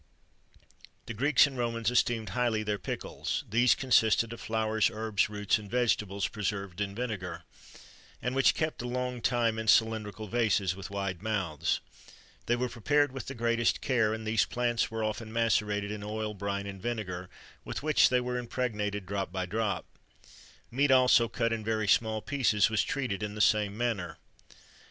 The Greeks and Romans esteemed highly their pickles: these consisted of flowers, herbs, roots, and vegetables, preserved in vinegar, and which kept a long time in cylindrical vases with wide mouths.[XXIII 91] They were prepared with the greatest care; and these plants were often macerated in oil, brine, and vinegar, with which they were impregnated drop by drop.[XXIII 92] Meat, also, cut in very small pieces, was treated in the same manner.